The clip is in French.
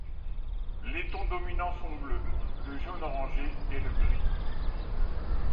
Les tons dominants sont le bleu, le jaune-orangé et le gris.